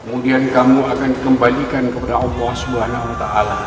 kemudian kamu akan kembalikan kepada allah swt